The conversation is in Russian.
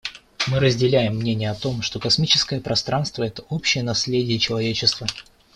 Мы разделяем мнение о том, что космическое пространство − это общее наследие человечества.